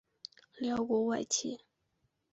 辽国外戚。